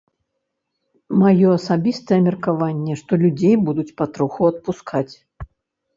Маё асабістае меркаванне, што людзей будуць патроху адпускаць.